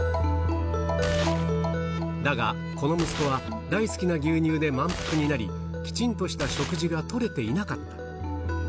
だが、この息子は、大好きな牛乳で満腹になり、きちんとした食事がとれていなかった。